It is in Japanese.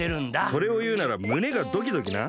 それをいうなら胸がドキドキな。